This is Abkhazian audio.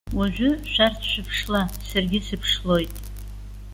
Уажәы шәарҭ шәыԥшла, саргьы сыԥшлоит.